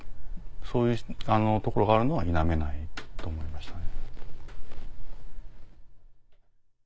そういうところがあるのは否めないと思いましたね。